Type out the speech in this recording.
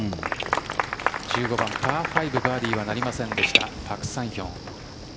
１５番、パー５バーディーはなりませんでしたパク・サンヒョン。